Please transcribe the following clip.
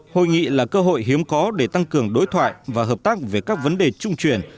hội nghị là cơ hội hiếm có để tăng cường đối thoại và hợp tác về các vấn đề trung truyền